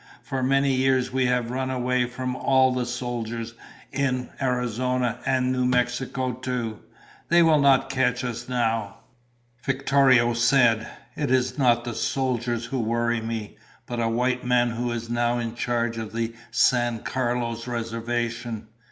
"For many years we have run away from all the soldiers in Arizona and New Mexico too. They will not catch us now." Victorio said, "It is not the soldiers who worry me, but a white man who is now in charge of the San Carlos Reservation.